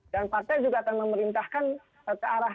dan partai juga akan memerintahkan ke arah sana untuk bisa menang